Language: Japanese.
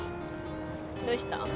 どうした？